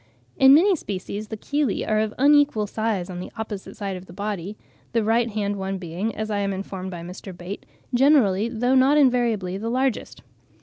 In many species the chelae are of unequal size on the opposite side of the body, the right hand one being, as I am informed by Mr. Bate, generally, though not invariably, the largest.